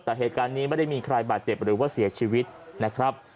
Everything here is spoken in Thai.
แต่เหตุการณ์นี้ไม่ได้มีใครบาดเจ็บหรือว่าเสียชีวิตนะครับ